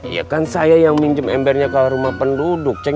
ya kan saya yang minjem embernya ke rumah penduduk